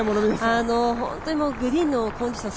グリーンのコンディション